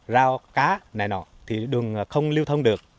rau cá này nọ thì đường không lưu thông được